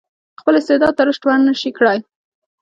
خپل استعداد ته رشد ورنه شي کړای.